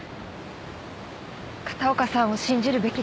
片岡さんを信じるべきでした。